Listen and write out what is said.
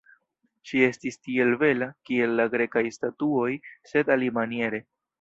Ŝi estis tiel bela, kiel la Grekaj statuoj, sed alimaniere.